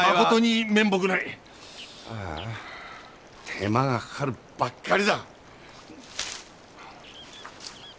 手間がかかるばっかりだ。